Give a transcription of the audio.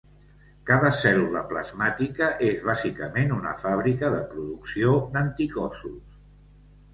Cada cèl·lula plasmàtica és bàsicament una fàbrica de producció d'anticossos.